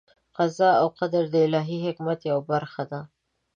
قضا او قدر د الهي حکمت یوه برخه ده.